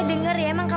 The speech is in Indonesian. kemudian aku kedepannya